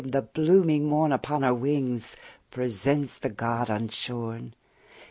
The blooming morn Upon her wings presents the god unshorn.